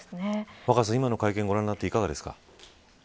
若狭さん、今の会見をご覧になっていかがですか。